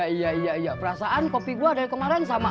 iya iya iya perasaan kopi gue dari kemarin sama